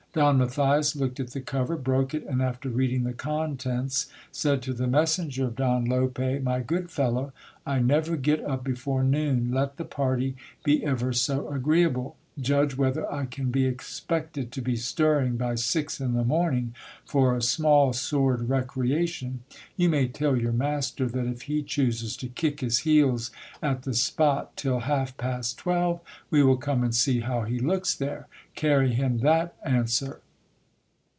Don Matthias looked at the cover, broke it, and after reading the contents, said to the messenger of Don Lope — My good fellow, I never get up before noon, let the party be ever so agreeable; judge whether I can be expected to be stirring by six in the morning for a small sword re creation. You may tell your master, that if he chooses to kick his heels at the spot till half past twelve, we will come and see how he looks there — carry him that answer.